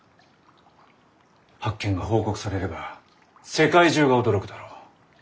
発見が報告されれば世界中が驚くだろう。